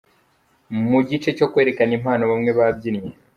Mu gice cyo kwerekana impano bamwe babyinnye.